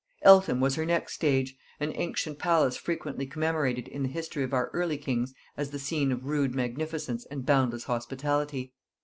Eltham was her next stage; an ancient palace frequently commemorated in the history of our early kings as the scene of rude magnificence and boundless hospitality.